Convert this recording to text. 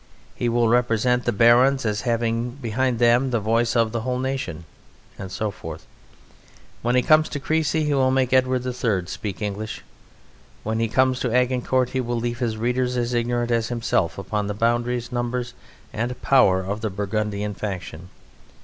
He will represent the Barons as having behind them the voice of the whole nation and so forth. When he comes to Crécy he will make Edward III speak English. When he comes to Agincourt he will leave his readers as ignorant as himself upon the boundaries, numbers and power of the Burgundian faction.